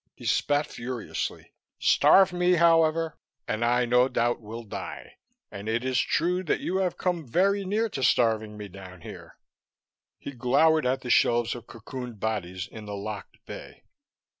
He spat furiously. "Starve me, however, and I no doubt will die, and it is true that you have come very near to starving me down here." He glowered at the shelves of cocooned bodies in the locked bay.